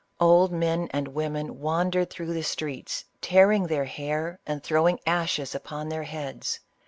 Old men and women wandered through the streets, tearing their hair and throwing ashes upon their heads.